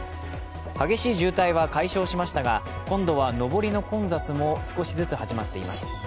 激しい渋滞は解消しましたが今度は上りの混雑も少しずつ始まっています。